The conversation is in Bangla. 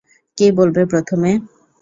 কে বলবে প্রথমে?